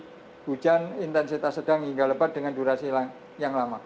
jadi kita harus mengurangi intensitas yang sedang hingga lebat dengan durasi yang lama